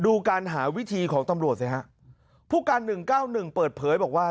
ดูการหาวิธีของตำรวจสิฮะผู้การหนึ่งเก้าหนึ่งเปิดเผยบอกว่า